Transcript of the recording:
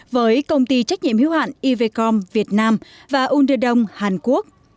với công ty trách nhiệm hiếu hạn evcom việt nam và underdome hàn quốc